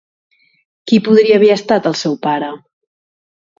Qui podria haver estat el seu pare?